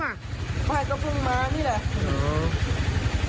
ครับ